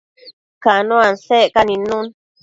Cano asecca nidnun